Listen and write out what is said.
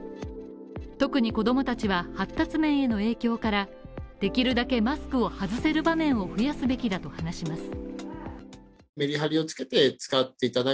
特に子供たちは発達面への影響から、できるだけマスクを外せる場面を増やすべきだと話します。